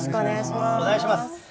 お願いします。